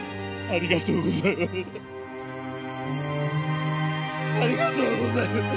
ありがとうございます。